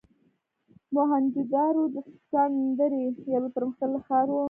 موهنچودارو د سند درې یو پرمختللی ښار و.